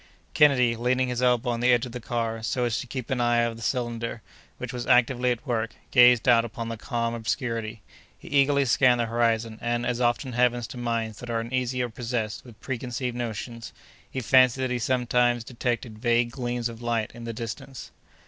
Kennedy, leaning his elbow on the edge of the car, so as to keep an eye on the cylinder, which was actively at work, gazed out upon the calm obscurity; he eagerly scanned the horizon, and, as often happens to minds that are uneasy or possessed with preconceived notions, he fancied that he sometimes detected vague gleams of light in the distance.